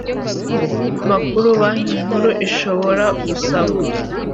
makuru banki nkuru ishobora gusaba